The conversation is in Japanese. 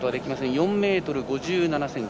４ｍ５７ｃｍ。